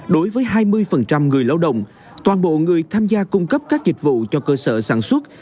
đối với hai mươi người lao động toàn bộ người tham gia cung cấp các dịch vụ cho cơ sở sản xuất